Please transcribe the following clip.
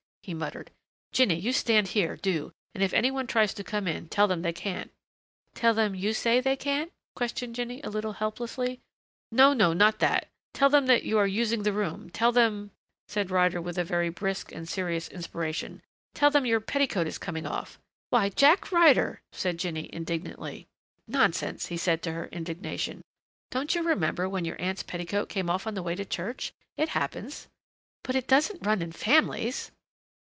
he muttered. "Jinny, you stand here, do, and if any one tries to come in tell them they can't." "Tell them you say they can't?" questioned Jinny a little helplessly. "No no not that. Tell them you are using the room; tell them," said Ryder with very brisk and serious inspiration, "tell them your petticoat is coming off!" "Why Jack Ryder!" said Jinny indignantly. "Nonsense," said he to her indignation. "Don't you remember when your aunt's petticoat came off on the way to church? It happens." "But it doesn't run in families!"